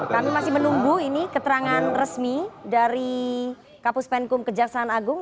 kami masih menunggu ini keterangan resmi dari kapus penkum kejaksaan agung